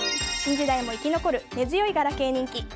新時代も生き残る根強いガラケー人気。